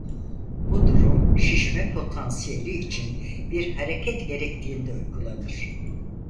Bu durum şişme potansiyeli için bir hareket gerektiğinde uygulanır.